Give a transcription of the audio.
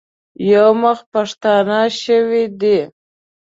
یو مخ پښتانه شوي دي.